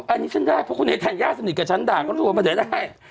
อันนี้ฉันได้เพราะคุณเนธันย่าสนิทกับฉันด่างเขารู้ว่ามันจะได้